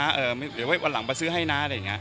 เดี๋ยวไว้วันหลังไปซื้อให้นะอะไรแบบนี้